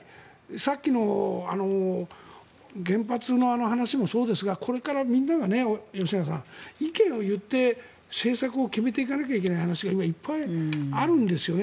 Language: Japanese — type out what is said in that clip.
さっきの原発の話もそうですがこれからみんなが意見を言って政策を決めていかなきゃいけない話が今、いっぱいあるんですよね。